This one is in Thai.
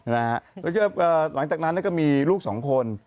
นะฮะหลังจากนั้นก็มีลูก๒คน